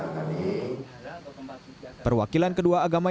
perwakilan kedua agama yang diperoleh adalah